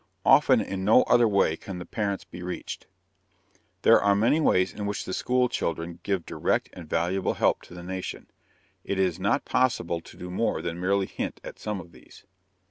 Often in no other way can the parents be reached. There are many ways in which the school children gave direct and valuable help to the nation. It is not possible to do more than merely hint at some of these.